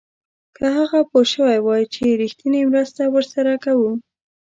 که هغه پوه شوی وای چې رښتینې مرسته ورسره کوو.